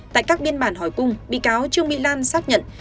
tại các biên bản hỏi cung bị cáo trương mỹ lan xác nhận